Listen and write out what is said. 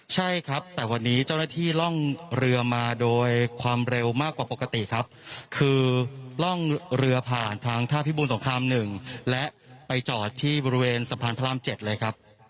ใช่ครับแต่วันนี้เจ้าหน้าที่ล่องเรือมาโดยความเร็วมากกว่าปกติครับคือร่องเรือผ่านทางท่าพิบูรสงคราม๑และไปจอดที่บริเวณสะพานพระราม๗เลยครับ